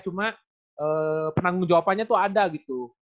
cuma penanggung jawabannya tuh ada gitu